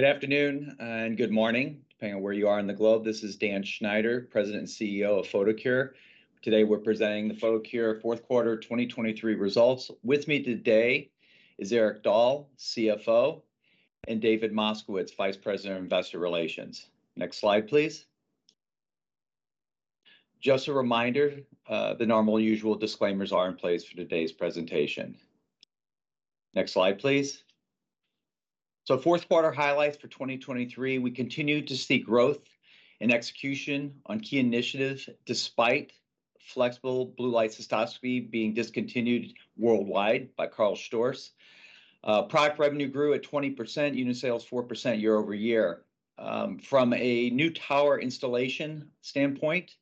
Good afternoon and good morning, depending on where you are in the globe. This is Dan Schneider, President and CEO of Photocure. Today we're presenting the Photocure Fourth Quarter 2023 Results. With me today is Erik Dahl, CFO, and David Moskowitz, Vice President of Investor Relations. Next slide, please. Just a reminder, the normal usual disclaimers are in place for today's presentation. Next slide, please. So Fourth Quarter Highlights for 2023: we continue to see growth in execution on key initiatives despite flexible blue light cystoscopy being discontinued worldwide by Karl Storz Product revenue grew at 20%, unit sales 4% year-over-year. From a new tower installation standpoint,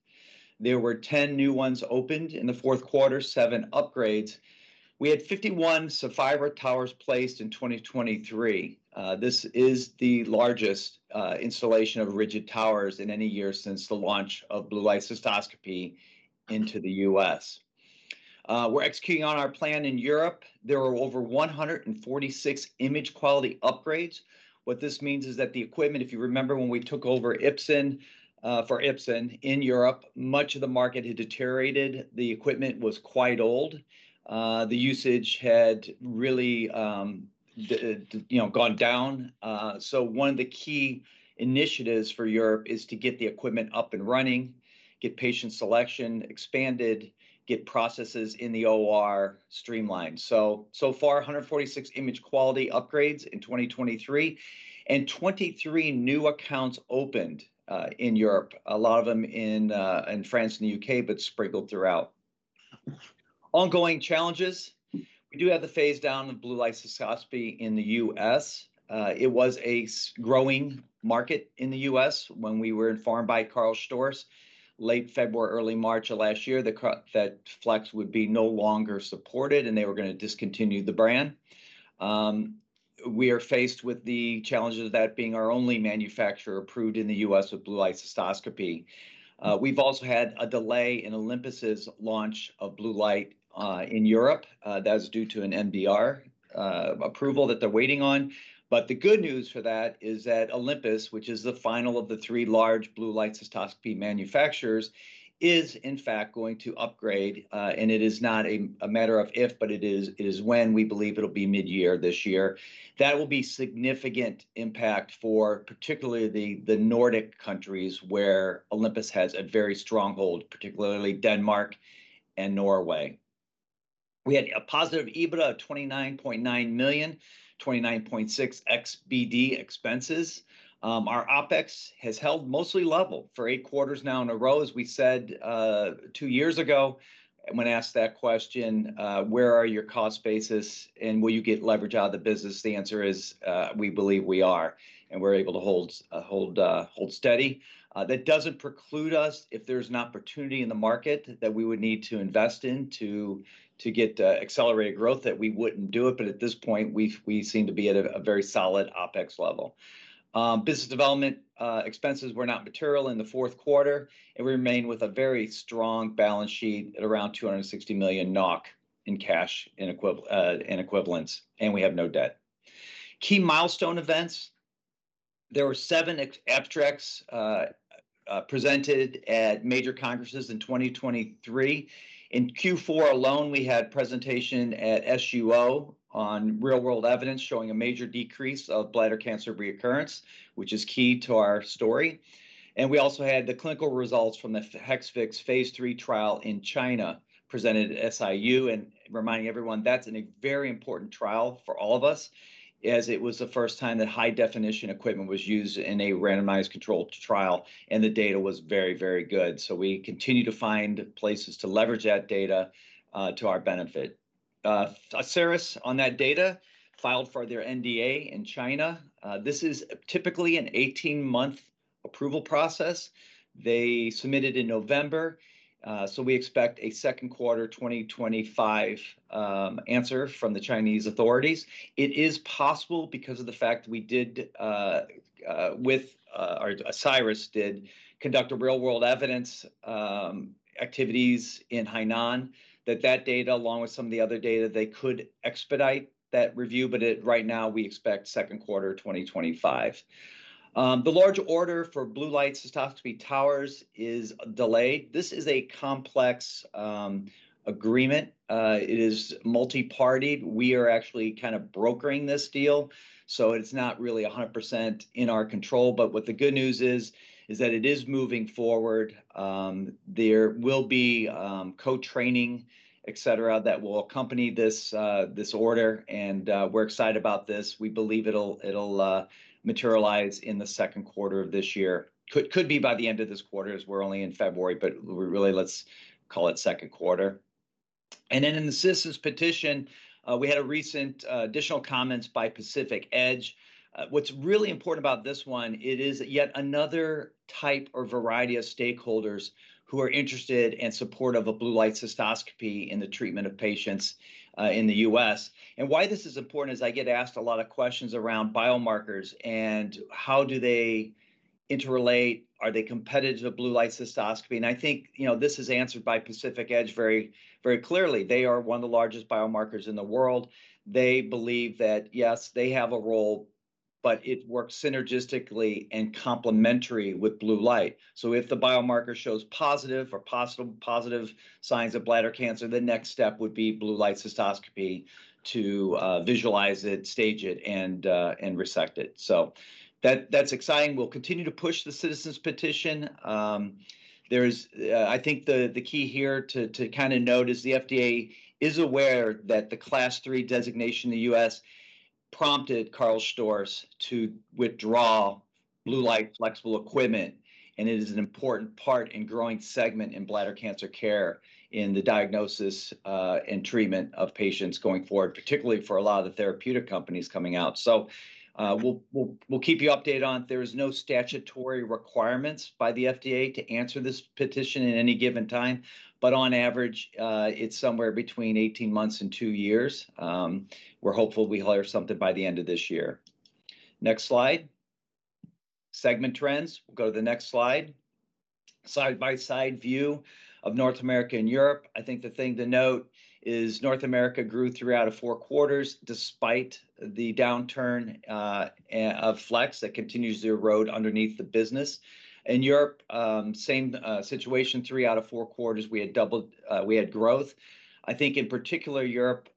there were 10 new ones opened in the fourth quarter, seven upgrades. We had 51 Saphira towers placed in 2023. This is the largest installation of rigid towers in any year since the launch of blue light cystoscopy into the U.S. We're executing on our plan in Europe. There were over 146 image quality upgrades. What this means is that the equipment, if you remember when we took over Ipsen for Ipsen in Europe, much of the market had deteriorated. The equipment was quite old. The usage had really, you know, gone down. So one of the key initiatives for Europe is to get the equipment up and running, get patient selection expanded, get processes in the OR streamlined. So far, 146 image quality upgrades in 2023 and 23 new accounts opened in Europe, a lot of them in France and the U.K., but sprinkled throughout. Ongoing challenges: we do have the phase down of blue light cystoscopy in the U.S. It was a growing market in the U.S. when we were informed by Karl Storz late February, early March of last year that Flex would be no longer supported and they were going to discontinue the brand. We are faced with the challenges of that being our only manufacturer approved in the U.S. with Blue Light Cystoscopy. We've also had a delay in Olympus's launch of blue light in Europe. That is due to an MDR approval that they're waiting on. But the good news for that is that Olympus, which is the final of the three large blue light cystoscopy manufacturers, is in fact going to upgrade. And it is not a matter of if, but it is when we believe it'll be mid-year this year. That will be significant impact for particularly the Nordic countries where Olympus has a very strong hold, particularly Denmark and Norway. We had a positive EBITDA of 29.9 million, 29.6 million OPEX expenses. Our OPEX has held mostly level for eight quarters now in a row, as we said two years ago when asked that question, "Where are your cost bases and will you get leverage out of the business?" The answer is we believe we are and we're able to hold steady. That doesn't preclude us if there's an opportunity in the market that we would need to invest in to get accelerated growth that we wouldn't do it. But at this point, we seem to be at a very solid OPEX level. Business development expenses were not material in the fourth quarter, and we remain with a very strong balance sheet at around 260 million NOK in cash and equivalents, and we have no debt. Key milestone events: there were seven abstracts presented at major congresses in 2023. In Q4 alone, we had presentation at SUO on real-world evidence showing a major decrease of bladder cancer recurrence, which is key to our story. We also had the clinical results from the Hexvix phase III trial in China presented at SIU. Reminding everyone, that's a very important trial for all of us, as it was the first time that high-definition equipment was used in a randomized controlled trial, and the data was very, very good. We continue to find places to leverage that data to our benefit. Asieris, on that data, filed for their NDA in China. This is typically an 18-month approval process. They submitted in November, so we expect a second quarter 2025 answer from the Chinese authorities. It is possible because of the fact we did, with Asieris, conduct a real-world evidence activities in Hainan that that data, along with some of the other data, they could expedite that review. But right now, we expect second quarter 2025. The large order for blue light cystoscopy towers is delayed. This is a complex agreement. It is multi-party. We are actually kind of brokering this deal, so it's not really 100% in our control. But what the good news is, is that it is moving forward. There will be co-training, etc., that will accompany this order, and we're excited about this. We believe it'll materialize in the second quarter of this year. Could be by the end of this quarter as we're only in February, but really, let's call it second quarter. And then in the citizens' petition, we had additional comments by Pacific Edge. What's really important about this one, it is yet another type or variety of stakeholders who are interested and supportive of blue light cystoscopy in the treatment of patients in the U.S. And why this is important is I get asked a lot of questions around biomarkers and how do they interrelate? Are they competitive to blue light cystoscopy? And I think this is answered by Pacific Edge very clearly. They are one of the largest biomarkers in the world. They believe that, yes, they have a role, but it works synergistically and complementary with blue light. So if the biomarker shows positive or positive signs of bladder cancer, the next step would be blue light cystoscopy to visualize it, stage it, and resect it. So that's exciting. We'll continue to push the citizens' petition. I think the key here to kind of note is the FDA is aware that the Class III designation in the U.S. prompted Karl Storz to withdraw blue light flexible equipment, and it is an important part and growing segment in bladder cancer care in the diagnosis and treatment of patients going forward, particularly for a lot of the therapeutic companies coming out. So we'll keep you updated on it. There are no statutory requirements by the FDA to answer this petition at any given time, but on average, it's somewhere between 18 months and two years. We're hopeful we'll hear something by the end of this year. Next slide. Segment trends. We'll go to the next slide. Side-by-side view of North America and Europe. I think the thing to note is North America grew throughout four quarters despite the downturn of FLEX that continues to erode underneath the business. In Europe, same situation. Three out of four quarters, we had double growth. I think, in particular, Europe,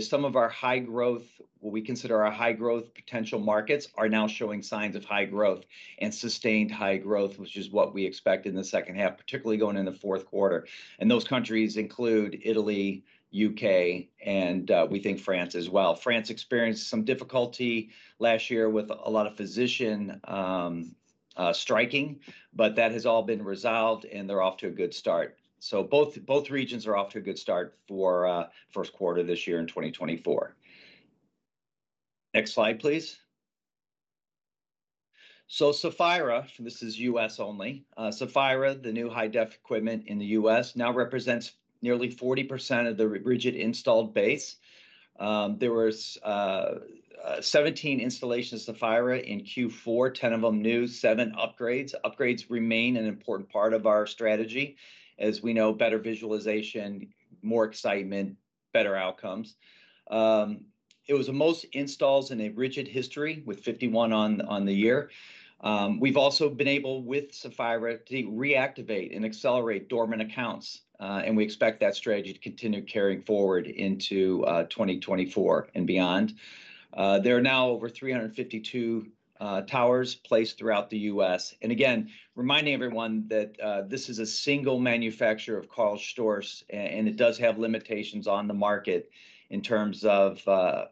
some of our high-growth, what we consider our high-growth potential markets are now showing signs of high growth and sustained high growth, which is what we expect in the second half, particularly going into fourth quarter. Those countries include Italy, U.K., and we think France as well. France experienced some difficulty last year with a lot of physician striking, but that has all been resolved, and they're off to a good start. Both regions are off to a good start for first quarter this year in 2024. Next slide, please. Saphira, and this is U.S. only. Saphira, the new high-def equipment in the U.S., now represents nearly 40% of the rigid installed base. There were 17 installations of Saphira in Q4, 10 of them new, seven upgrades. Upgrades remain an important part of our strategy. As we know, better visualization, more excitement, better outcomes. It was the most installs in a rigid history with 51 on the year. We've also been able, with Saphira, to reactivate and accelerate dormant accounts, and we expect that strategy to continue carrying forward into 2024 and beyond. There are now over 352 towers placed throughout the U.S. Again, reminding everyone that this is a single manufacturer of Karl Storz, and it does have limitations on the market in terms of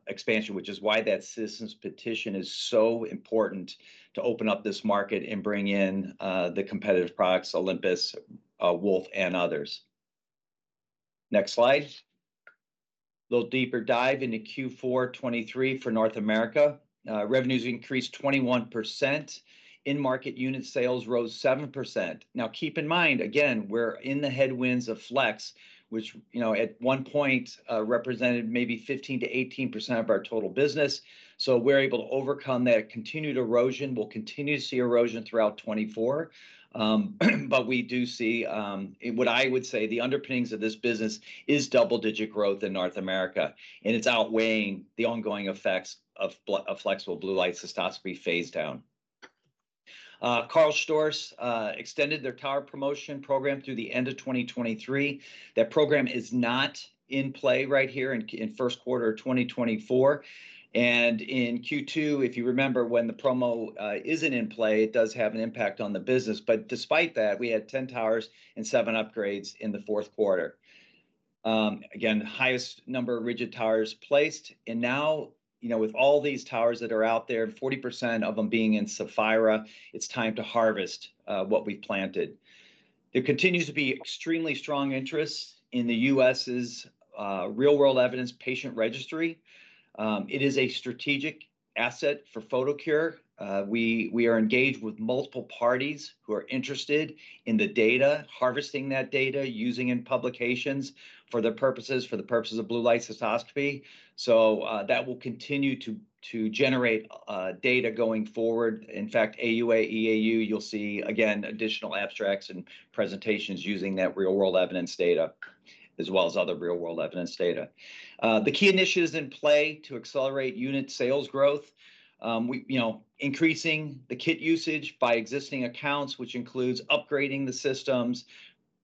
expansion, which is why that citizens' petition is so important to open up this market and bring in the competitive products, Olympus, Wolf, and others. Next slide. Little deeper dive into Q4 2023 for North America. Revenues increased 21%. In-market unit sales rose 7%. Now keep in mind, again, we're in the headwinds of FLEX, which at one point represented maybe 15%-18% of our total business. So we're able to overcome that continued erosion. We'll continue to see erosion throughout 2024. But we do see, what I would say, the underpinnings of this business is double-digit growth in North America, and it's outweighing the ongoing effects of flexible blue light cystoscopy phase down. Karl Storz extended their tower promotion program through the end of 2023. That program is not in play right here in first quarter of 2024. In Q2, if you remember, when the promo isn't in play, it does have an impact on the business. But despite that, we had 10 towers and seven upgrades in the fourth quarter. Again, highest number of rigid towers placed. Now, with all these towers that are out there and 40% of them being in Saphira, it's time to harvest what we've planted. There continues to be extremely strong interest in the U.S.'s real-world evidence patient registry. It is a strategic asset for Photocure. We are engaged with multiple parties who are interested in the data, harvesting that data, using it in publications for the purposes of blue light cystoscopy. So that will continue to generate data going forward. In fact, AUA, EAU, you'll see, again, additional abstracts and presentations using that real-world evidence data as well as other real-world evidence data. The key initiatives in play to accelerate unit sales growth: increasing the kit usage by existing accounts, which includes upgrading the systems,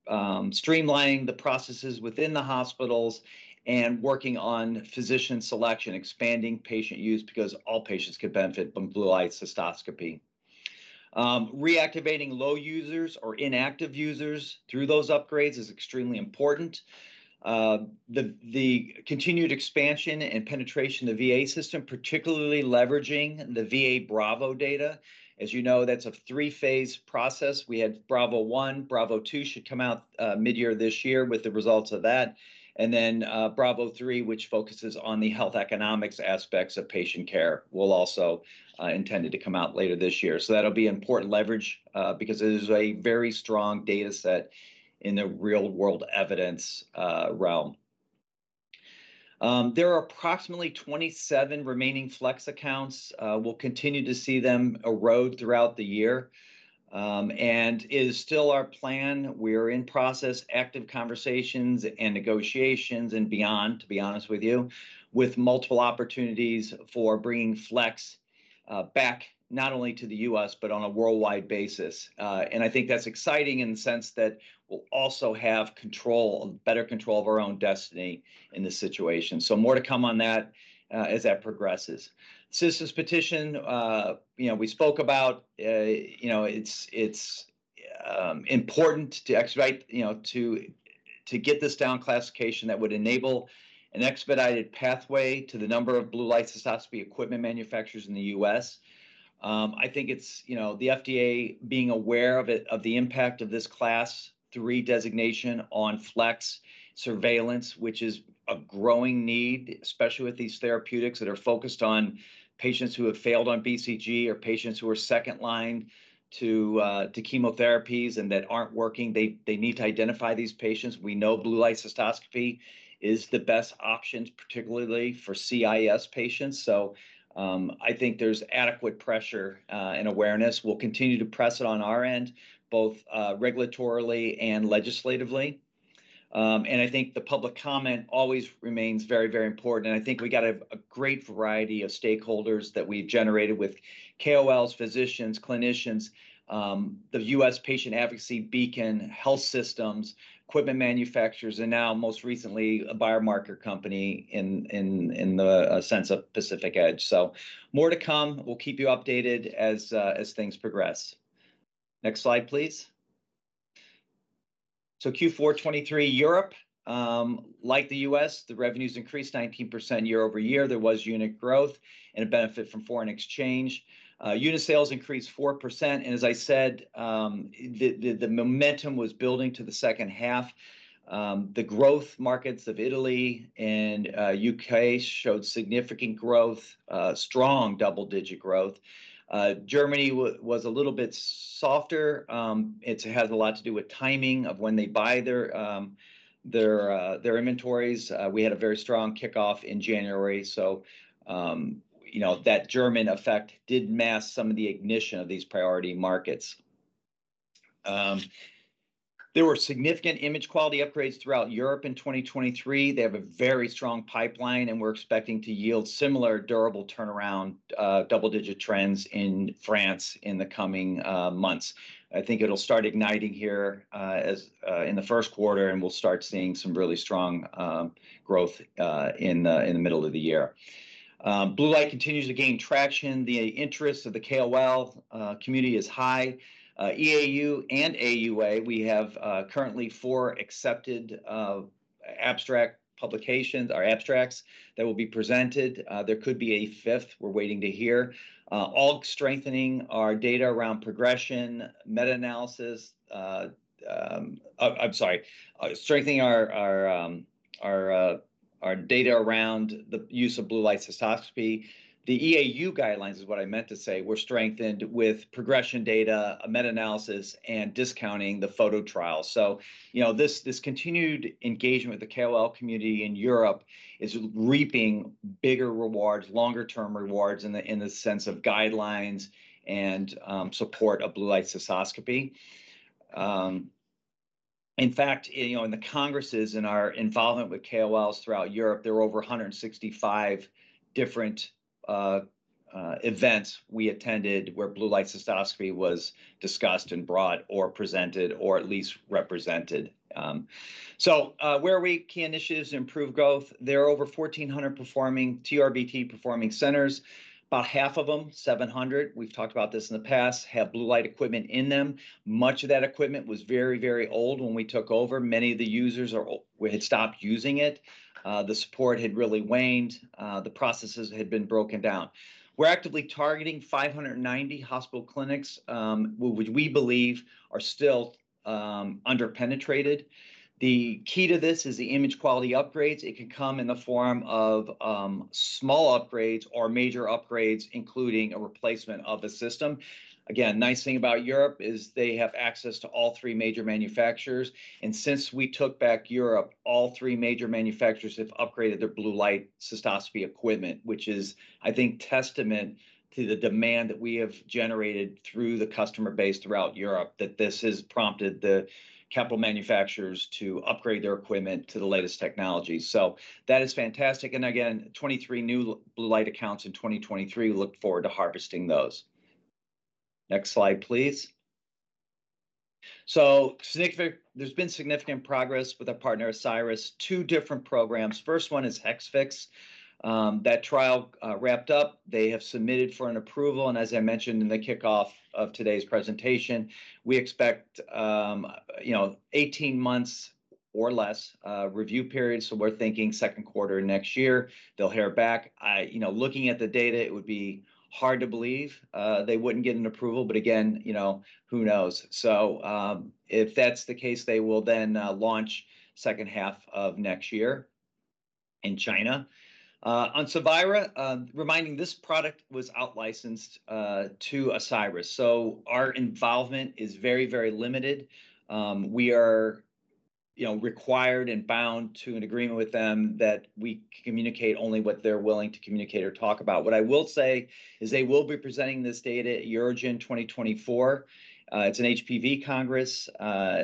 streamlining the processes within the hospitals, and working on physician selection, expanding patient use because all patients could benefit from blue light cystoscopy. Reactivating low users or inactive users through those upgrades is extremely important. The continued expansion and penetration of the VA system, particularly leveraging the VA Bravo data. As you know, that's a three-phase process. We had Bravo One. Bravo Two should come out mid-year this year with the results of that. And then Bravo Three, which focuses on the health economics aspects of patient care, will also intend to come out later this year. So that'll be important leverage because it is a very strong dataset in the real-world evidence realm. There are approximately 27 remaining FLEX accounts. We'll continue to see them erode throughout the year. It is still our plan. We are in process, active conversations and negotiations and beyond, to be honest with you, with multiple opportunities for bringing FLEX back not only to the U.S. but on a worldwide basis. I think that's exciting in the sense that we'll also have better control of our own destiny in this situation. So more to come on that as that progresses. Citizens' petition, we spoke about. It's important to get this down classification that would enable an expedited pathway to the number of blue light cystoscopy equipment manufacturers in the U.S. I think it's the FDA being aware of the impact of this Class III designation on FLEX surveillance, which is a growing need, especially with these therapeutics that are focused on patients who have failed on BCG or patients who are second-line to chemotherapies and that aren't working. They need to identify these patients. We know blue light cystoscopy is the best option, particularly for CIS patients. So I think there's adequate pressure and awareness. We'll continue to press it on our end, both regulatorily and legislatively. I think the public comment always remains very, very important. I think we got a great variety of stakeholders that we've generated with KOLs, physicians, clinicians, the BCAN, health systems, equipment manufacturers, and now most recently, a biomarker company in the sense of Pacific Edge. More to come. We'll keep you updated as things progress. Next slide, please. Q4 2023, Europe, like the U.S., the revenues increased 19% year-over-year. There was unit growth and a benefit from foreign exchange. Unit sales increased 4%. As I said, the momentum was building to the second half. The growth markets of Italy and U.K. showed significant growth, strong double-digit growth. Germany was a little bit softer. It has a lot to do with timing of when they buy their inventories. We had a very strong kickoff in January. So that German effect did mask some of the ignition of these priority markets. There were significant image quality upgrades throughout Europe in 2023. They have a very strong pipeline, and we're expecting to yield similar durable turnaround double-digit trends in France in the coming months. I think it'll start igniting here in the first quarter, and we'll start seeing some really strong growth in the middle of the year. Blue Light continues to gain traction. The interest of the KOL community is high. EAU and AUA, we have currently four accepted abstract publications or abstracts that will be presented. There could be a fifth. We're waiting to hear. All strengthening our data around progression, meta-analysis I'm sorry, strengthening our data around the use of Blue Light Cystoscopy. The EAU guidelines is what I meant to say. We're strengthened with progression data, meta-analysis, and discounting the PHOTO trial. So this continued engagement with the KOL community in Europe is reaping bigger rewards, longer-term rewards in the sense of guidelines and support of blue light cystoscopy. In fact, in the congresses and our involvement with KOLs throughout Europe, there are over 165 different events we attended where blue light cystoscopy was discussed and brought or presented or at least represented. So where are we? Key initiatives to improve growth. There are over 1,400 TURBT performing centers. About half of them, 700—we've talked about this in the past—have blue light equipment in them. Much of that equipment was very, very old when we took over. Many of the users had stopped using it. The support had really waned. The processes had been broken down. We're actively targeting 590 hospital clinics, which we believe are still under-penetrated. The key to this is the image quality upgrades. It can come in the form of small upgrades or major upgrades, including a replacement of a system. Again, the nice thing about Europe is they have access to all three major manufacturers. And since we took back Europe, all three major manufacturers have upgraded their blue light cystoscopy equipment, which is, I think, testament to the demand that we have generated through the customer base throughout Europe, that this has prompted the capital manufacturers to upgrade their equipment to the latest technology. So that is fantastic. Again, 23 new blue light accounts in 2023. We look forward to harvesting those. Next slide, please. So there's been significant progress with our partner, Asieris. Two different programs. First one is Hexvix. That trial wrapped up. They have submitted for an approval. And as I mentioned in the kickoff of today's presentation, we expect 18 months or less review period. So we're thinking second quarter next year. They'll hear back. Looking at the data, it would be hard to believe they wouldn't get an approval. But again, who knows? So if that's the case, they will then launch second half of next year in China. On Saphira, reminding, this product was out-licensed to Asieris. So our involvement is very, very limited. We are required and bound to an agreement with them that we communicate only what they're willing to communicate or talk about. What I will say is they will be presenting this data at EUROGIN 2024. It's an HPV congress,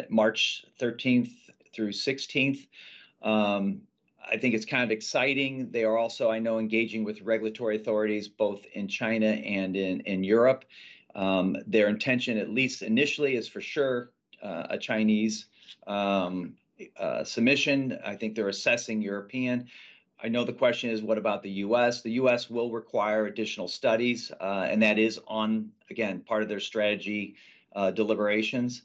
March 13th through 16th. I think it's kind of exciting. They are also, I know, engaging with regulatory authorities both in China and in Europe. Their intention, at least initially, is for sure a Chinese submission. I think they're assessing European. I know the question is, what about the U.S.? The U.S. will require additional studies, and that is, again, part of their strategy deliberations.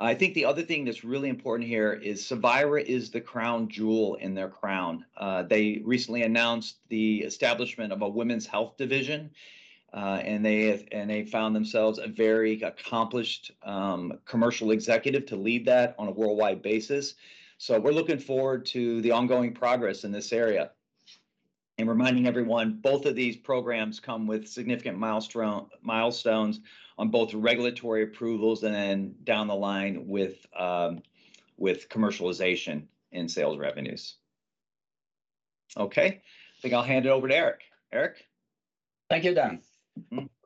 I think the other thing that's really important here is Saphira is the crown jewel in their crown. They recently announced the establishment of a women's health division, and they found themselves a very accomplished commercial executive to lead that on a worldwide basis. So we're looking forward to the ongoing progress in this area. And reminding everyone, both of these programs come with significant milestones on both regulatory approvals and then down the line with commercialization and sales revenues. Okay. I think I'll hand it over to Erik. Erik? Thank you, Dan.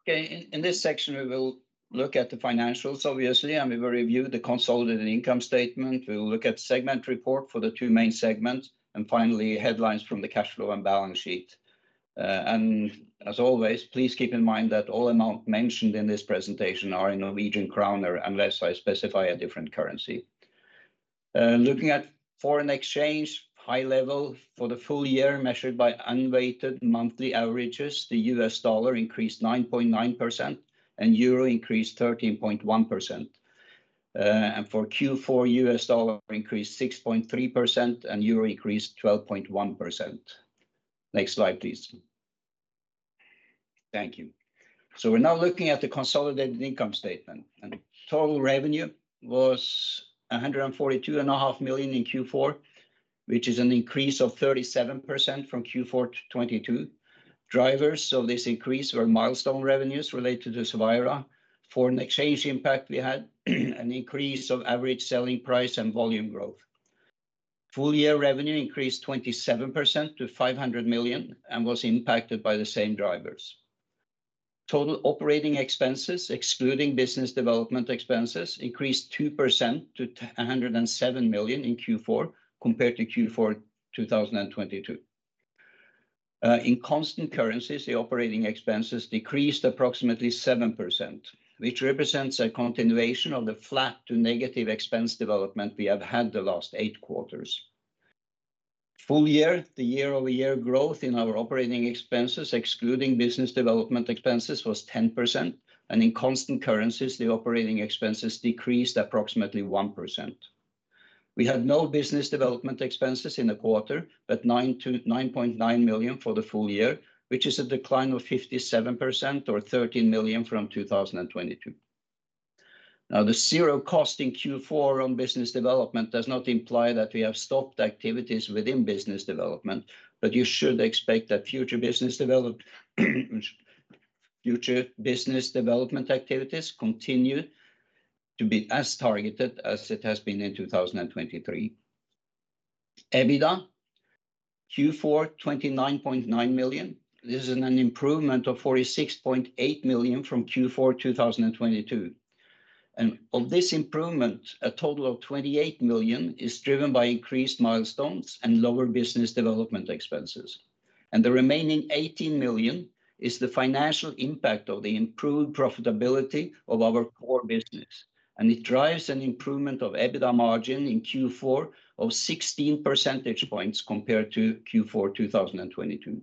Okay. In this section, we will look at the financials, obviously, and we will review the consolidated income statement. We will look at the segment report for the two main segments, and finally, headlines from the cash flow and balance sheet. As always, please keep in mind that all amounts mentioned in this presentation are in Norwegian kroner unless I specify a different currency. Looking at foreign exchange, high level for the full year measured by unweighted monthly averages, the U.S. Dollar increased 9.9% and Euro increased 13.1%. For Q4, U.S. Dollar increased 6.3% and Euro increased 12.1%. Next slide, please. Thank you. So we're now looking at the consolidated income statement. Total revenue was 142.5 million in Q4, which is an increase of 37% from Q4 2022. Drivers of this increase were milestone revenues related to Saphira, foreign exchange impact we had, an increase of average selling price and volume growth. Full year revenue increased 27% to 500 million and was impacted by the same drivers. Total operating expenses, excluding business development expenses, increased 2% to 107 million in Q4 compared to Q4 2022. In constant currencies, the operating expenses decreased approximately 7%, which represents a continuation of the flat to negative expense development we have had the last eight quarters. Full year, the year-over-year growth in our operating expenses, excluding business development expenses, was 10%. In constant currencies, the operating expenses decreased approximately 1%. We had no business development expenses in the quarter, but 9.9 million for the full year, which is a decline of 57% or 13 million from 2022. Now, the zero cost in Q4 on business development does not imply that we have stopped activities within business development, but you should expect that future business development activities continue to be as targeted as it has been in 2023. EBITDA, Q4 29.9 million. This is an improvement of 46.8 million from Q4 2022. And of this improvement, a total of 28 million is driven by increased milestones and lower business development expenses. And the remaining 18 million is the financial impact of the improved profitability of our core business. And it drives an improvement of EBITDA margin in Q4 of 16 percentage points compared to Q4 2022.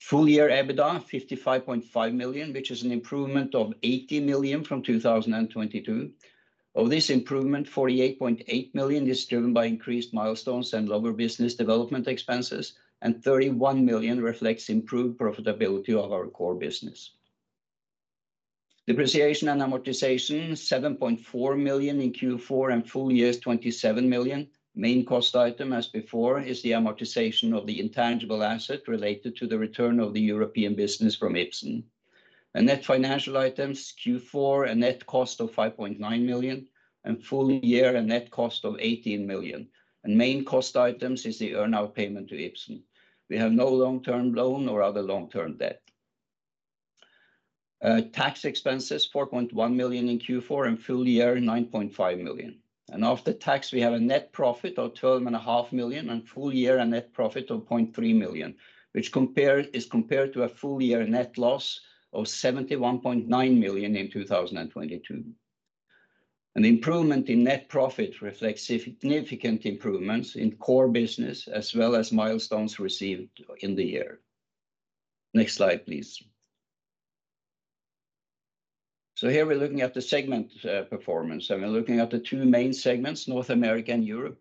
Full year EBITDA, 55.5 million, which is an improvement of 80 million from 2022. Of this improvement, 48.8 million is driven by increased milestones and lower business development expenses, and 31 million reflects improved profitability of our core business. Depreciation and amortization, 7.4 million in Q4 and full year’s 27 million. Main cost item, as before, is the amortization of the intangible asset related to the return of the European business from Ipsen. Net financial items, Q4 a net cost of 5.9 million and full year a net cost of 18 million. Main cost item is the earnout payment to Ipsen. We have no long-term loan or other long-term debt. Tax expenses, 4.1 million in Q4 and full year 9.5 million. After tax, we have a net profit of 12.5 million and full year a net profit of 0.3 million, which is compared to a full year net loss of 71.9 million in 2022. The improvement in net profit reflects significant improvements in core business as well as milestones received in the year. Next slide, please. Here we're looking at the segment performance. We're looking at the two main segments, North America and Europe.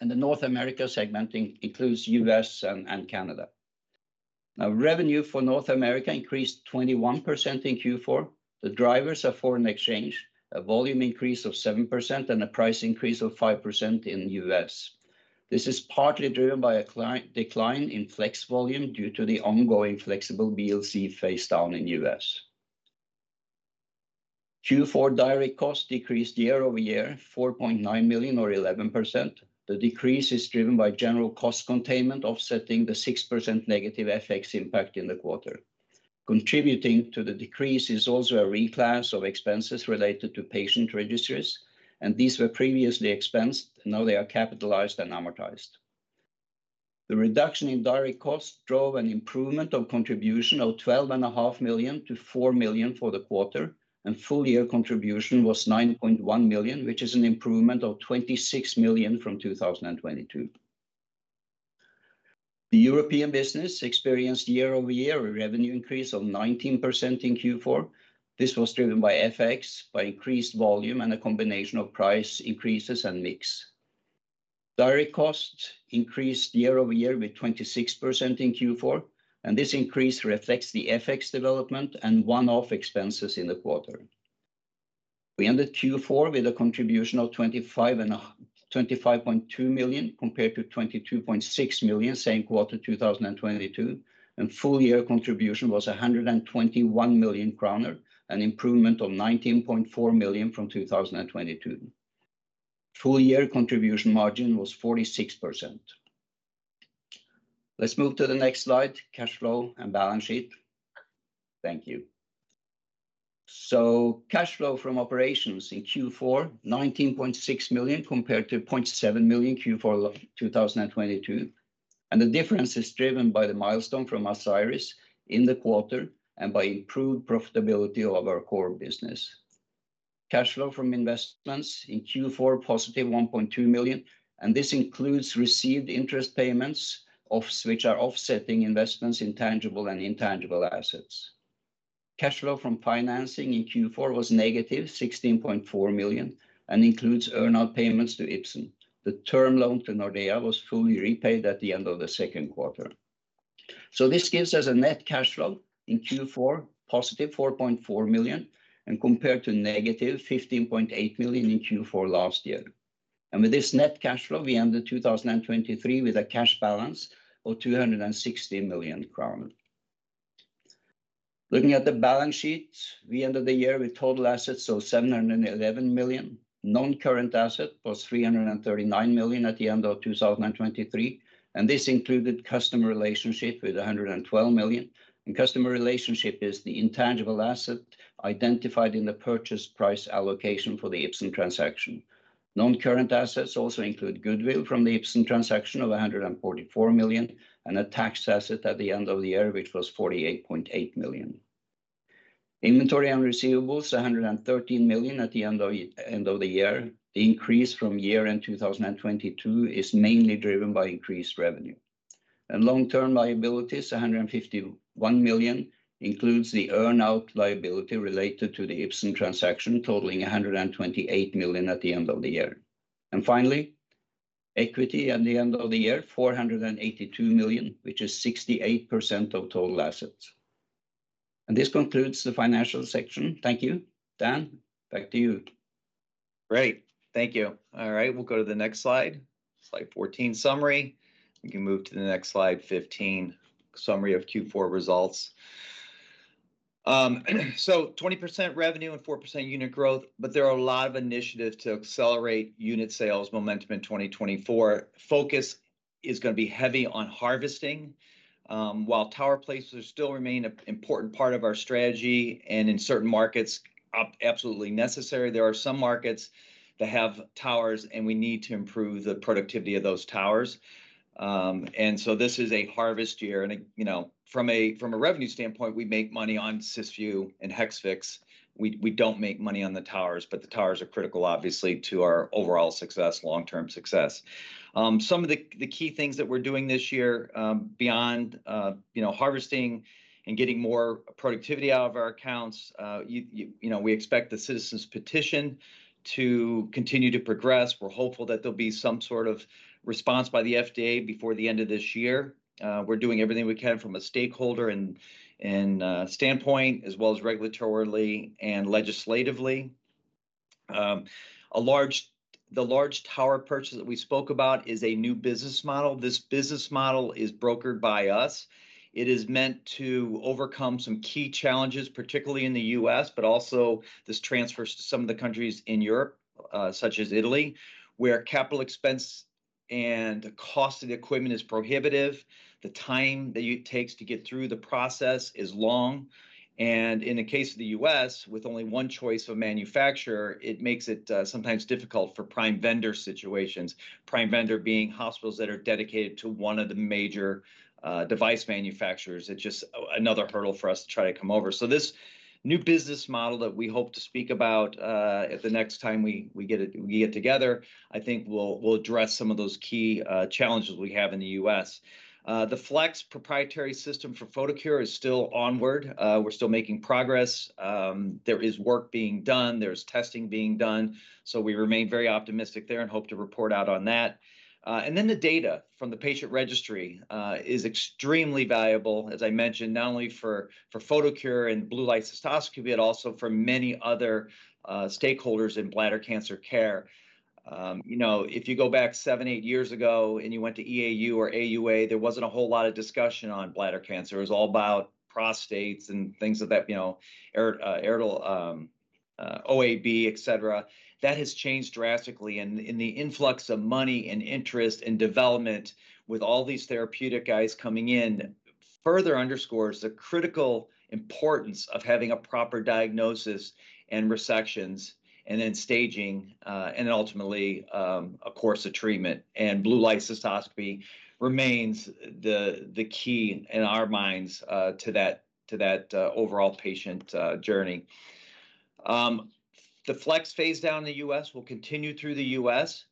The North America segment includes U.S. and Canada. Now, revenue for North America increased 21% in Q4. The drivers are foreign exchange, a volume increase of 7%, and a price increase of 5% in U.S. This is partly driven by a decline in flex volume due to the ongoing flexible BLC phase down in U.S. Q4 direct cost decreased year-over-year, 4.9 million or 11%. The decrease is driven by general cost containment, offsetting the 6% negative FX impact in the quarter. Contributing to the decrease is also a reclass of expenses related to patient registries. And these were previously expensed. Now they are capitalized and amortized. The reduction in direct cost drove an improvement of contribution of 12.5 million-4 million for the quarter. Full year contribution was 9.1 million, which is an improvement of 26 million from 2022. The European business experienced year-over-year a revenue increase of 19% in Q4. This was driven by FX, by increased volume, and a combination of price increases and mix. Direct costs increased year-over-year with 26% in Q4. This increase reflects the FX development and one-off expenses in the quarter. We ended Q4 with a contribution of 25.2 million compared to 22.6 million same quarter 2022. Full year contribution was 121 million kroner, an improvement of 19.4 million from 2022. Full year contribution margin was 46%. Let's move to the next slide, cash flow and balance sheet. Thank you. Cash flow from operations in Q4, 19.6 million compared to 0.7 million Q4 2022. The difference is driven by the milestone from Asieris in the quarter and by improved profitability of our core business. Cash flow from investments in Q4, positive 1.2 million. This includes received interest payments which are offsetting investments in tangible and intangible assets. Cash flow from financing in Q4 was negative 16.4 million, and includes earnout payments to Ipsen. The term loan to Nordea was fully repaid at the end of the second quarter. This gives us a net cash flow in Q4, positive 4.4 million, and compared to negative 15.8 million in Q4 last year. With this net cash flow, we ended 2023 with a cash balance of 260 million crown. Looking at the balance sheet, we ended the year with total assets of 711 million. Non-current asset was 339 million at the end of 2023. This included customer relationship with 112 million. Customer relationship is the intangible asset identified in the purchase price allocation for the Ipsen transaction. Non-current assets also include goodwill from the Ipsen transaction of 144 million and a tax asset at the end of the year, which was 48.8 million. Inventory and receivables, 113 million at the end of the year. The increase from year-end 2022 is mainly driven by increased revenue. Long-term liabilities, 151 million, include the earnout liability related to the Ipsen transaction, totaling 128 million at the end of the year. Finally, equity at the end of the year, 482 million, which is 68% of total assets. This concludes the financial section. Thank you, Dan. Back to you. Great. Thank you. All right. We'll go to the next slide, slide 14 summary. We can move to the next slide, 15 summary of Q4 results. So 20% revenue and 4% unit growth, but there are a lot of initiatives to accelerate unit sales momentum in 2024. Focus is going to be heavy on harvesting while tower places still remain an important part of our strategy and in certain markets, absolutely necessary. There are some markets that have towers, and we need to improve the productivity of those towers. And so this is a harvest year. And from a revenue standpoint, we make money on Cysview and Hexvix. We don't make money on the towers, but the towers are critical, obviously, to our overall success, long-term success. Some of the key things that we're doing this year, beyond harvesting and getting more productivity out of our accounts, we expect the citizens' petition to continue to progress. We're hopeful that there'll be some sort of response by the FDA before the end of this year. We're doing everything we can from a stakeholder standpoint as well as regulatorily and legislatively. The large tower purchase that we spoke about is a new business model. This business model is brokered by us. It is meant to overcome some key challenges, particularly in the U.S., but also this transfers to some of the countries in Europe, such as Italy, where capital expense and the cost of the equipment is prohibitive. The time that it takes to get through the process is long. And in the case of the U.S., with only one choice of manufacturer, it makes it sometimes difficult for prime vendor situations, prime vendor being hospitals that are dedicated to one of the major device manufacturers. It's just another hurdle for us to try to come over. So this new business model that we hope to speak about at the next time we get together, I think will address some of those key challenges we have in the U.S. The flex proprietary system for Photocure is still onward. We're still making progress. There is work being done. There's testing being done. So we remain very optimistic there and hope to report out on that. And then the data from the patient registry is extremely valuable, as I mentioned, not only for Photocure and blue light cystoscopy, but also for many other stakeholders in bladder cancer care. If you go back seven, eight years ago and you went to EAU or AUA, there wasn't a whole lot of discussion on bladder cancer. It was all about prostates and things of that, erectile OAB, etc. That has changed drastically. In the influx of money and interest and development with all these therapeutic guys coming in, further underscores the critical importance of having a proper diagnosis and resections and then staging and then ultimately, of course, the treatment. Blue light cystoscopy remains the key in our minds to that overall patient journey. The flex phase down in the U.S. will continue through the US.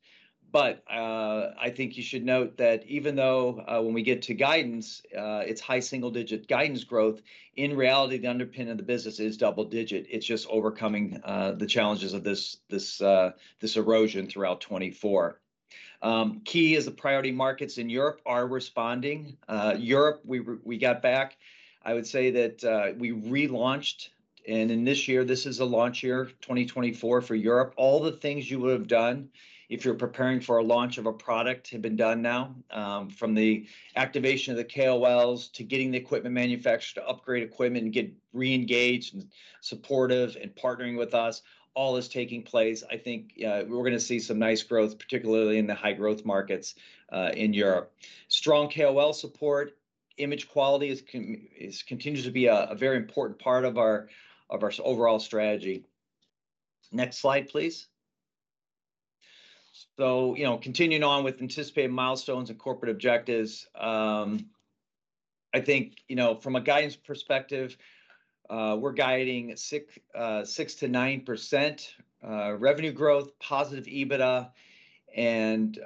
But I think you should note that even though when we get to guidance, it's high single-digit guidance growth, in reality, the underpinning of the business is double-digit. It's just overcoming the challenges of this erosion throughout 2024. Key is the priority markets in Europe are responding. Europe, we got back. I would say that we relaunched. In this year, this is a launch year, 2024, for Europe. All the things you would have done if you're preparing for a launch of a product have been done now, from the activation of the KOLs to getting the equipment manufacturer to upgrade equipment and get re-engaged and supportive and partnering with us. All is taking place. I think we're going to see some nice growth, particularly in the high-growth markets in Europe. Strong KOL support, image quality continues to be a very important part of our overall strategy. Next slide, please. So continuing on with anticipated milestones and corporate objectives, I think from a guidance perspective, we're guiding 6%-9% revenue growth, positive EBITDA, and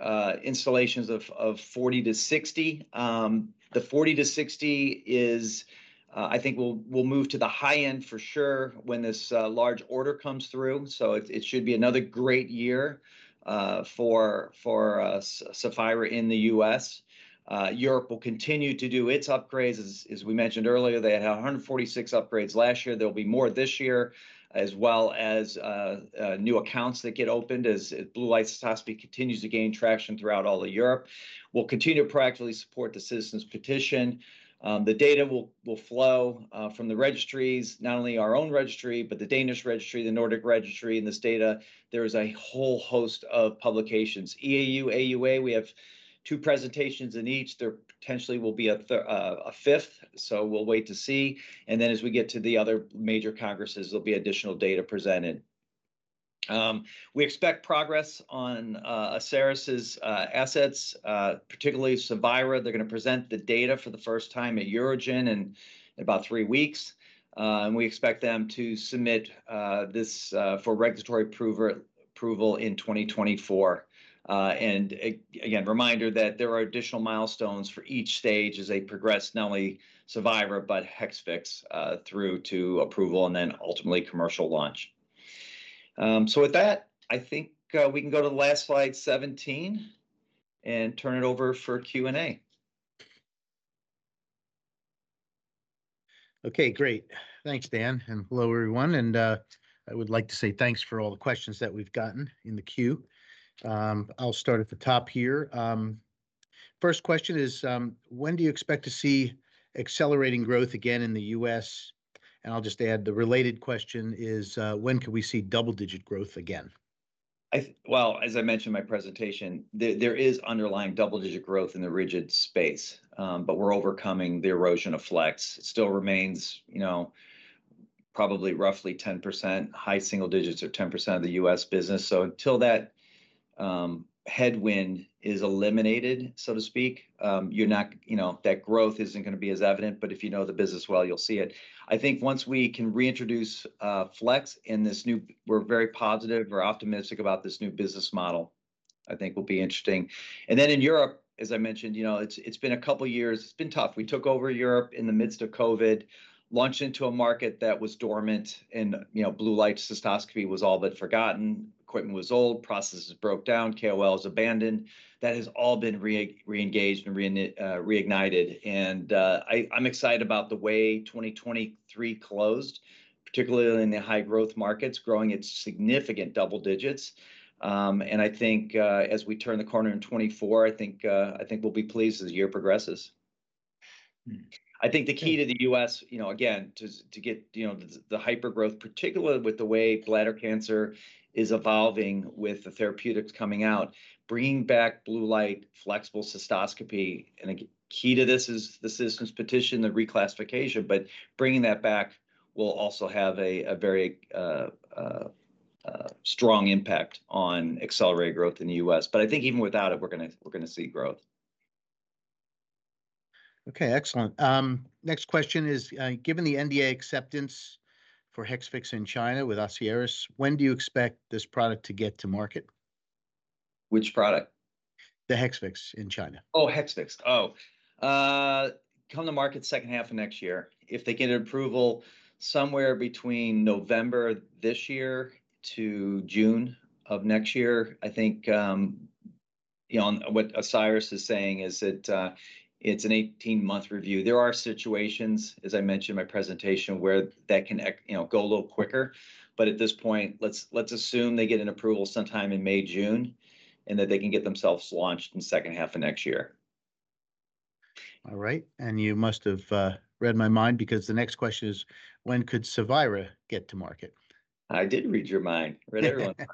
installations of 40-60. The 40-60 is, I think, we'll move to the high end for sure when this large order comes through. So it should be another great year for Saphira in the U.S. Europe will continue to do its upgrades. As we mentioned earlier, they had 146 upgrades last year. There'll be more this year, as well as new accounts that get opened as blue light cystoscopy continues to gain traction throughout all of Europe. We'll continue to proactively support the citizens' petition. The data will flow from the registries, not only our own registry, but the Danish registry, the Nordic registry. In this data, there is a whole host of publications. EAU, AUA, we have two presentations in each. There potentially will be a fifth. So we'll wait to see. And then as we get to the other major congresses, there'll be additional data presented. We expect progress on Asieris's assets, particularly Saphira. They're going to present the data for the first time at EUROGIN in about three weeks. We expect them to submit this for regulatory approval in 2024. Again, reminder that there are additional milestones for each stage as they progress, not only Saphira but Hexvix through to approval and then ultimately commercial launch. With that, I think we can go to the last slide, 17, and turn it over for Q&A. Okay, great. Thanks, Dan. And hello, everyone. And I would like to say thanks for all the questions that we've gotten in the queue. I'll start at the top here. First question is, when do you expect to see accelerating growth again in the U.S.? And I'll just add the related question is, when can we see double-digit growth again? Well, as I mentioned in my presentation, there is underlying double-digit growth in the rigid space, but we're overcoming the erosion of flex. It still remains probably roughly 10%. High single digits are 10% of the U.S. business. So until that headwind is eliminated, so to speak, that growth isn't going to be as evident. But if you know the business well, you'll see it. I think once we can reintroduce flex in this new we're very positive. We're optimistic about this new business model, I think, will be interesting. And then in Europe, as I mentioned, it's been a couple of years. It's been tough. We took over Europe in the midst of COVID, launched into a market that was dormant, and blue light cystoscopy was all but forgotten. Equipment was old. Processes broke down. KOLs abandoned. That has all been re-engaged and reignited. I'm excited about the way 2023 closed, particularly in the high-growth markets, growing its significant double digits. I think as we turn the corner in 2024, I think we'll be pleased as the year progresses. I think the key to the U.S., again, to get the hypergrowth, particularly with the way bladder cancer is evolving with the therapeutics coming out, bringing back blue light, flexible cystoscopy and key to this is the citizens' petition, the reclassification. Bringing that back will also have a very strong impact on accelerated growth in the U.S. I think even without it, we're going to see growth. Okay, excellent. Next question is, given the NDA acceptance for Hexvix in China with Asieris, when do you expect this product to get to market? Which product? The Hexvix in China. Oh, Hexvix. Oh. Come to market second half of next year. If they get approval somewhere between November this year to June of next year, I think what Asieris is saying is that it's an 18-month review. There are situations, as I mentioned in my presentation, where that can go a little quicker. But at this point, let's assume they get an approval sometime in May, June, and that they can get themselves launched in second half of next year. All right. And you must have read my mind because the next question is, when could Saphira get to market? I did read your mind. Read everyone's mind.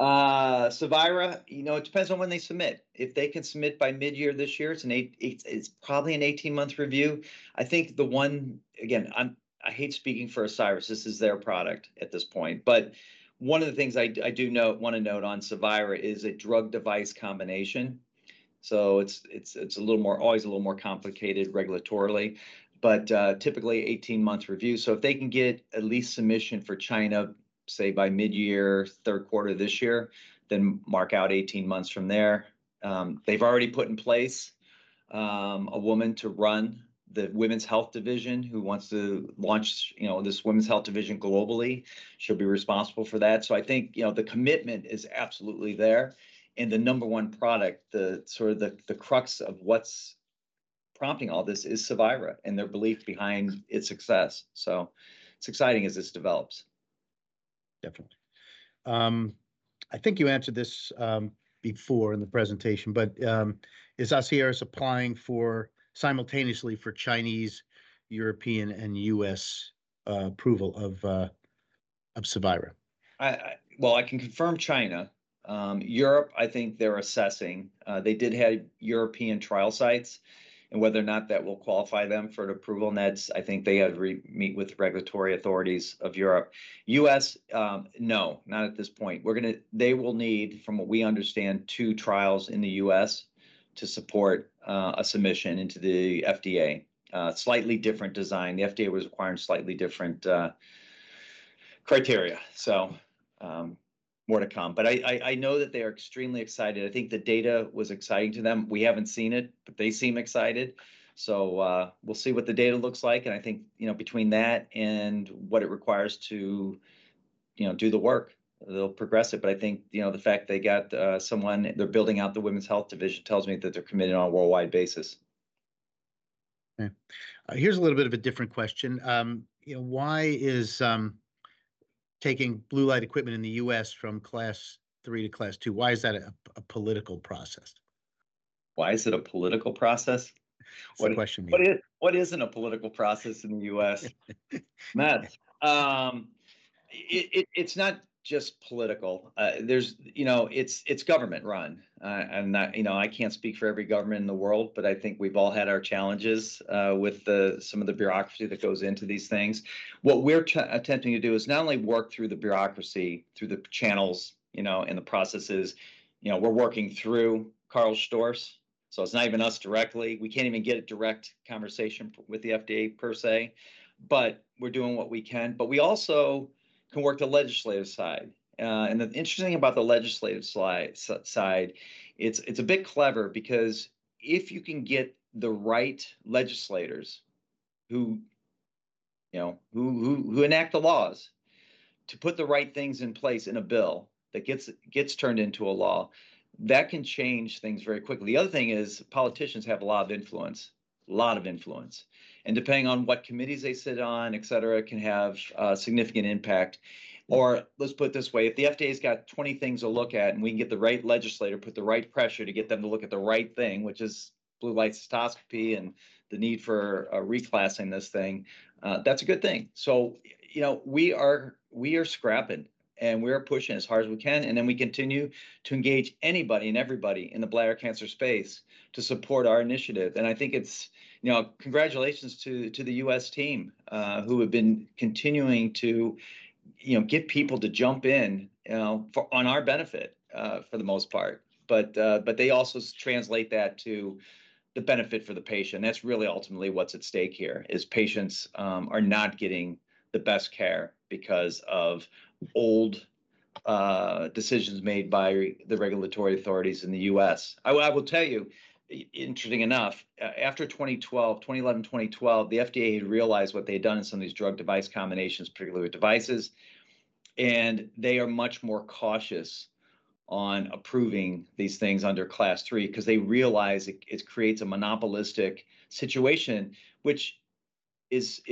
Saphira, it depends on when they submit. If they can submit by mid-year this year, it's probably an 18-month review. I think the one again, I hate speaking for Asieris. This is their product at this point. But one of the things I do want to note on Saphira is a drug-device combination. So it's always a little more complicated regulatorily, but typically 18-month review. So if they can get at least submission for China, say by mid-year, third quarter this year, then mark out 18 months from there. They've already put in place a woman to run the women's health division who wants to launch this women's health division globally. She'll be responsible for that. So I think the commitment is absolutely there. The number one product, sort of the crux of what's prompting all this is Saphira and their belief behind its success. It's exciting as this develops. Definitely. I think you answered this before in the presentation, but is Asieris applying simultaneously for Chinese, European, and U.S. approval of Saphira? Well, I can confirm China. Europe, I think they're assessing. They did have European trial sites. And whether or not that will qualify them for an approval, I think they have to meet with regulatory authorities of Europe. U.S., no, not at this point. They will need, from what we understand, two trials in the U.S. to support a submission into the FDA. Slightly different design. The FDA was requiring slightly different criteria. So more to come. But I know that they are extremely excited. I think the data was exciting to them. We haven't seen it, but they seem excited. So we'll see what the data looks like. And I think between that and what it requires to do the work, they'll progress it. But I think the fact they got someone they're building out the women's health division tells me that they're committed on a worldwide basis. Okay. Here's a little bit of a different question. Why is taking blue light equipment in the U.S. from Class III to Class II? Why is that a political process? Why is it a political process? What's the question being asked? What isn't a political process in the U.S.? Matt, it's not just political. It's government-run. I can't speak for every government in the world, but I think we've all had our challenges with some of the bureaucracy that goes into these things. What we're attempting to do is not only work through the bureaucracy, through the channels and the processes, we're working through Karl Storz. It's not even us directly. We can't even get a direct conversation with the FDA, per se, but we're doing what we can. We also can work the legislative side. The interesting thing about the legislative side, it's a bit clever because if you can get the right legislators who enact the laws to put the right things in place in a bill that gets turned into a law, that can change things very quickly. The other thing is politicians have a lot of influence, a lot of influence. And depending on what committees they sit on, etc., can have significant impact. Or let's put it this way. If the FDA's got 20 things to look at and we can get the right legislator, put the right pressure to get them to look at the right thing, which is blue light cystoscopy and the need for reclassing this thing, that's a good thing. So we are scrapping and we are pushing as hard as we can. And then we continue to engage anybody and everybody in the bladder cancer space to support our initiative. And I think it's congratulations to the U.S. team who have been continuing to get people to jump in on our benefit for the most part. But they also translate that to the benefit for the patient. That's really ultimately what's at stake here, is patients are not getting the best care because of old decisions made by the regulatory authorities in the U.S. I will tell you, interesting enough, after 2011, 2012, the FDA had realized what they had done in some of these drug-device combinations, particularly with devices. They are much more cautious on approving these things under Class III because they realize it creates a monopolistic situation, which is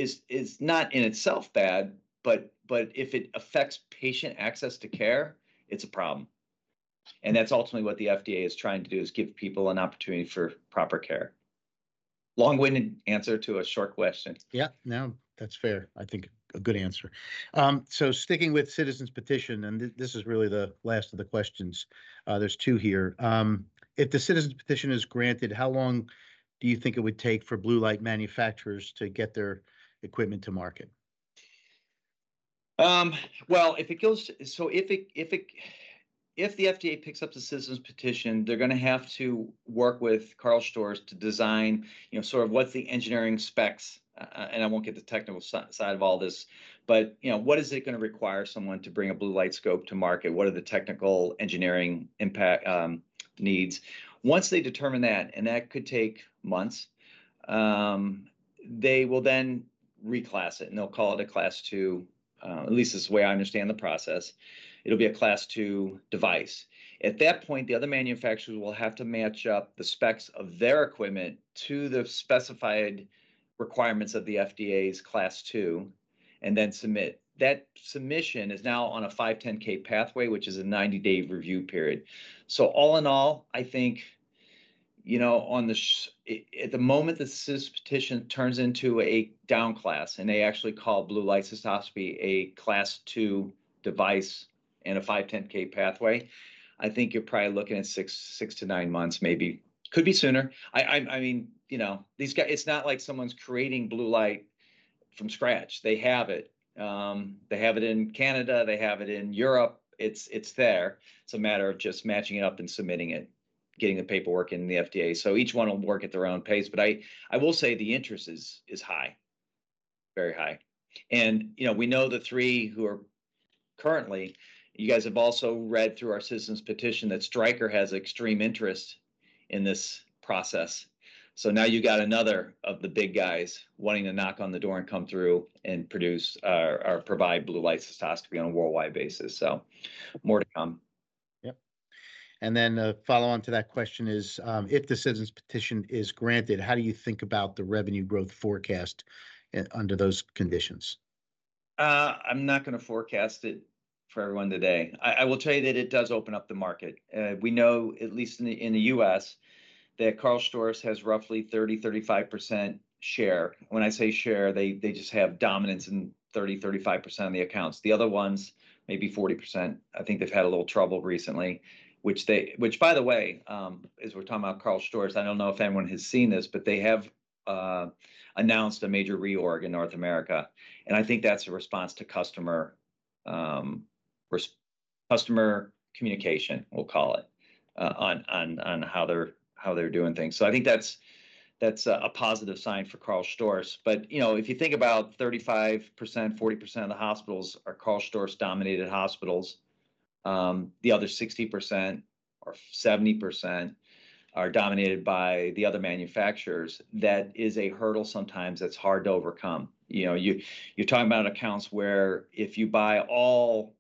not in itself bad, but if it affects patient access to care, it's a problem. That's ultimately what the FDA is trying to do, is give people an opportunity for proper care. Long-winded answer to a short question. Yeah, no, that's fair. I think a good answer. So sticking with citizens' petition, and this is really the last of the questions. There's two here. If the citizens' petition is granted, how long do you think it would take for blue light manufacturers to get their equipment to market? Well, if it goes so if the FDA picks up the citizens' petition, they're going to have to work with Karl Storz to design sort of what's the engineering specs and I won't get the technical side of all this, but what is it going to require someone to bring a blue light scope to market? What are the technical engineering needs? Once they determine that, and that could take months, they will then reclass it and they'll call it a Class II. At least this is the way I understand the process. It'll be a Class II device. At that point, the other manufacturers will have to match up the specs of their equipment to the specified requirements of the FDA's Class II and then submit. That submission is now on a 510(k) pathway, which is a 90-day review period. So all in all, I think at the moment the citizens' petition turns into a downclass and they actually call Blue Light Cystoscopy a Class II device and a 510(k) pathway, I think you're probably looking at six to nine months, maybe. Could be sooner. I mean, it's not like someone's creating blue light from scratch. They have it. They have it in Canada. They have it in Europe. It's there. It's a matter of just matching it up and submitting it, getting the paperwork in the FDA. So each one will work at their own pace. But I will say the interest is high, very high. And we know the three who are currently you guys have also read through our citizens' petition that Stryker has extreme interest in this process. So now you've got another of the big guys wanting to knock on the door and come through and produce or provide blue light cystoscopy on a worldwide basis. So more to come. Yep. And then follow on to that question is, if the citizens' petition is granted, how do you think about the revenue growth forecast under those conditions? I'm not going to forecast it for everyone today. I will tell you that it does open up the market. We know, at least in the U.S., that Karl Storz has roughly 30%-35% share. When I say share, they just have dominance in 30%-35% of the accounts. The other ones, maybe 40%, I think they've had a little trouble recently, which, by the way, as we're talking about Karl Storz, I don't know if anyone has seen this, but they have announced a major reorg in North America. And I think that's a response to customer communication, we'll call it, on how they're doing things. So I think that's a positive sign for Karl Storz. But if you think about 35%-40% of the hospitals are Karl Storz-dominated hospitals. The other 60% or 70% are dominated by the other manufacturers. That is a hurdle sometimes that's hard to overcome. You're talking about accounts where if you buy all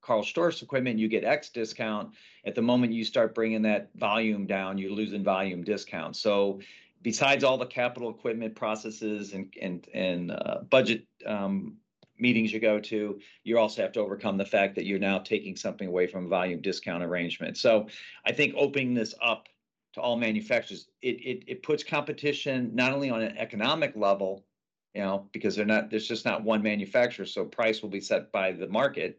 Karl Storz equipment, you get X discount. At the moment you start bringing that volume down, you're losing volume discounts. So besides all the capital equipment processes and budget meetings you go to, you also have to overcome the fact that you're now taking something away from a volume discount arrangement. So I think opening this up to all manufacturers, it puts competition not only on an economic level because there's just not one manufacturer, so price will be set by the market,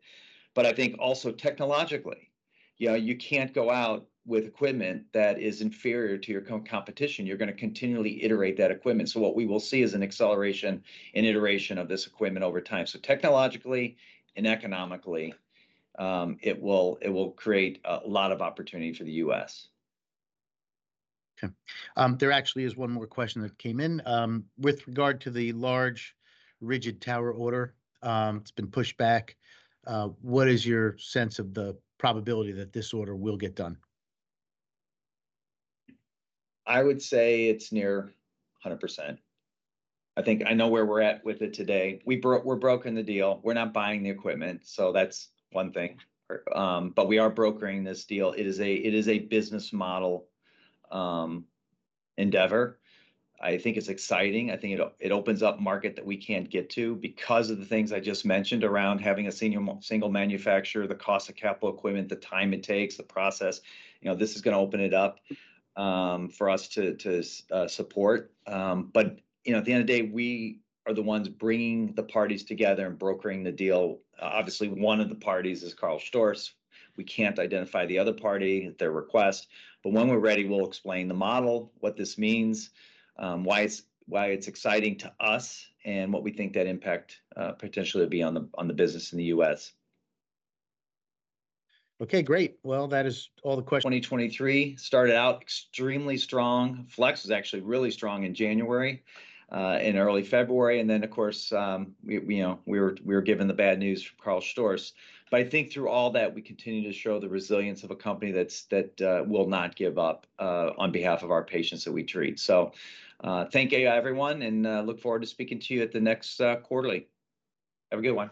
but I think also technologically. You can't go out with equipment that is inferior to your competition. You're going to continually iterate that equipment. So what we will see is an acceleration and iteration of this equipment over time. Technologically and economically, it will create a lot of opportunity for the U.S. Okay. There actually is one more question that came in. With regard to the large rigid tower order, it's been pushed back. What is your sense of the probability that this order will get done? I would say it's near 100%. I know where we're at with it today. We've broken the deal. We're not buying the equipment. So that's one thing. But we are brokering this deal. It is a business model endeavor. I think it's exciting. I think it opens up market that we can't get to because of the things I just mentioned around having a single manufacturer, the cost of capital equipment, the time it takes, the process. This is going to open it up for us to support. But at the end of the day, we are the ones bringing the parties together and brokering the deal. Obviously, one of the parties is Karl Storz. We can't identify the other party at their request. When we're ready, we'll explain the model, what this means, why it's exciting to us, and what we think that impact potentially would be on the business in the U.S. Okay, great. Well, that is all the questions. 2023 started out extremely strong. Flex was actually really strong in January, in early February. And then, of course, we were given the bad news from Karl Storz. But I think through all that, we continue to show the resilience of a company that will not give up on behalf of our patients that we treat. So thank you, everyone, and look forward to speaking to you at the next quarterly. Have a good one.